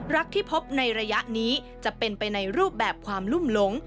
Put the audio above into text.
ที่พบในระยะนี้จะเป็นไปในรูปแบบความลุ่มหลง